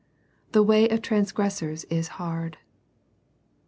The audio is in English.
The way of transgressors is hard.